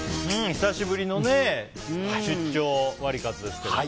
久しぶりの出張ワリカツですけども。